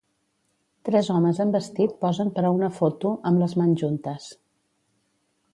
Tres homes amb vestit posen per a una foto amb les mans juntes.